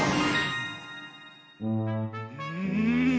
うん！